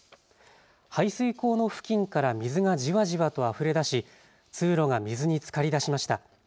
排水溝の付近から水がじわじわとあふれ出し通路が水につかりだしました。